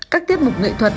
các tiết mục nghệ thuật